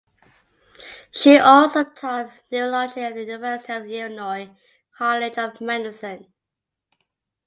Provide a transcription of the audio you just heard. She also taught neurology at the University of Illinois College of Medicine.